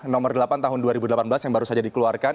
nomor delapan tahun dua ribu delapan belas yang baru saja dikeluarkan